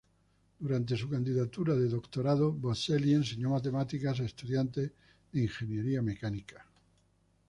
Durante su candidatura de doctorado, Boselli enseñó matemáticas a estudiantes de ingeniería mecánica.